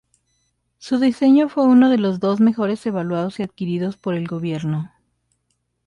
Su diseño fue uno de los dos mejor evaluados y adquiridos por el gobierno.